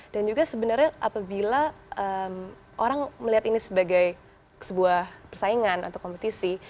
dan juga sebenarnya apabila orang melihat ini sebagai sebuah persaingan atau kompetisi